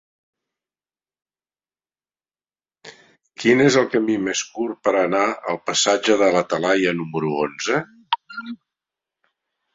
Quin és el camí més curt per anar al passatge de la Talaia número onze?